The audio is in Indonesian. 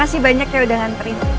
makasih banyak ya udah nganterin